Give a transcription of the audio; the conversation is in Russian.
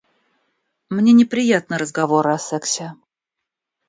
Мне неприятны разговоры о сексе.